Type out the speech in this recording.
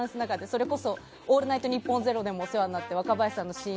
それこそ「オールナイトニッポン０」でもお世話になっている若林さんの。